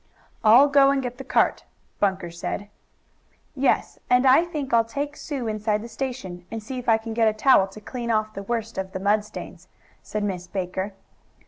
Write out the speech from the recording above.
"I'll go and get the cart," Bunker said. "Yes, and I think I'll take Sue inside the station, and see if I can get a towel to clean off the worst of the mud stains," said Miss Baker.